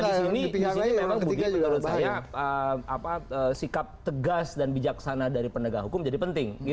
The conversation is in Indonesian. nah disini memang bu di menurut saya sikap tegas dan bijaksana dari pendagang hukum jadi penting